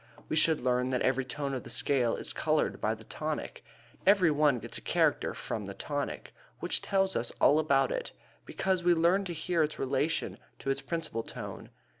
We should learn that every tone of the scale is colored by the tonic. Every one gets a character from the tonic which tells us all about it, because we learn to hear its relation to its principal tone.